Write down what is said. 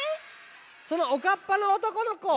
そのおかっぱのおとこのこ。